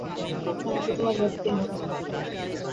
না, এটা তোমার রক্তে নেই।